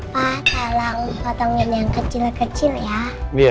pak tolong potongin yang kecil kecil ya